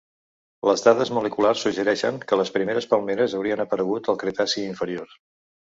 Les dades moleculars suggereixen que les primeres palmeres haurien aparegut al Cretaci Inferior.